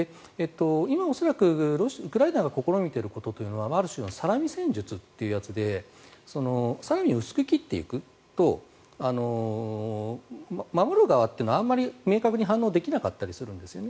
今、恐らくウクライナが試みていることというのはある種のサラミ戦術というものでサラミを薄く切っていくと守る側というのはあんまり明確に反応できなかったりするんです。